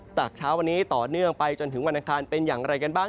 จากเช้าวันนี้ต่อเนื่องไปจนถึงวันอังคารเป็นอย่างไรกันบ้าง